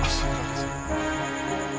masuk ke sana pak